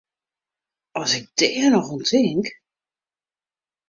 As ik dêr noch oan tink!